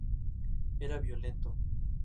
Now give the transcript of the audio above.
Era violento.